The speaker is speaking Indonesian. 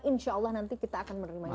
insya allah nanti kita akan menerima